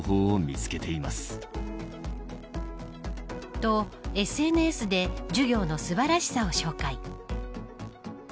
と、ＳＮＳで授業の素晴らしさを紹介。